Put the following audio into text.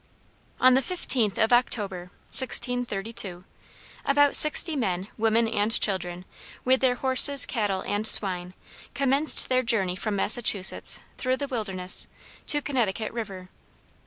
"On the 15th of October about sixty men, women, and children, with their horses, cattle, and swine, commenced their journey from Massachusetts, through the wilderness, to Connecticut River.